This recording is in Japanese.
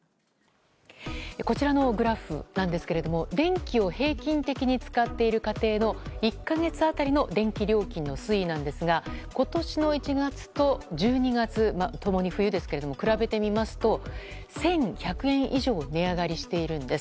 こちらのグラフなんですけども電気を平均的に使っている家庭の１か月当たりの電気料金の推移なんですが今年の１月と１２月共に冬ですけども比べてみますと、１１００円以上値上がりしているんです。